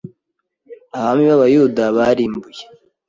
abami b Abayuda barimbuye